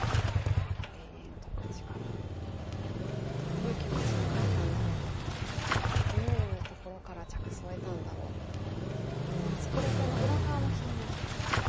んとくちからどういう気持ちで書いたんだろうとかどういうところから着想を得たんだろうとか作り手の裏側も気になりますね。